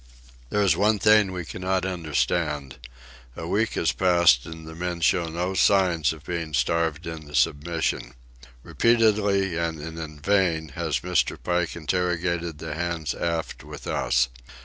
There is one thing we cannot understand. A week has passed, and the men show no signs of being starved into submission. Repeatedly and in vain has Mr. Pike interrogated the hands aft with us.